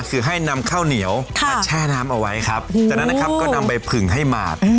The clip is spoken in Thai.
คือให้นำข้าวเหนียวมาแช่น้ำเอาไว้ครับจากนั้นนะครับก็นำไปผึ่งให้หมาก